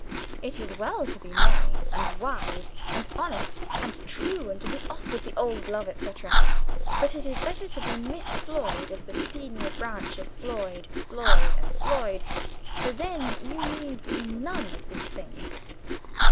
It is well to be merry and wise, and honest and true, and to be off with the old love, etc., but it is better to be Miss Floyd, of the senior branch of Floyd, Floyd, and Floyd, for then you need be none of these things.